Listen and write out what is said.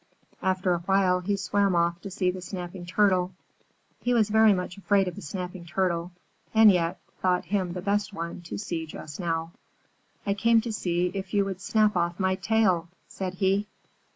After a while he swam off to see the Snapping Turtle. He was very much afraid of the Snapping Turtle, and yet he thought him the best one to see just now. "I came to see if you would snap off my tail," said he.